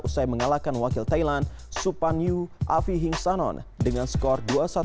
usai mengalahkan wakil thailand supanyu afi hing sanon dengan skor dua satu tiga belas dua satu delapan